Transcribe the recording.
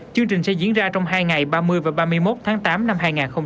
chương trình sẽ diễn ra trong hai ngày ba mươi và ba mươi một tháng tám năm hai nghìn hai mươi